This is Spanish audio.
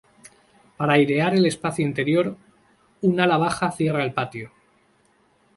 Para airear el espacio interior, un ala baja cierra el patio.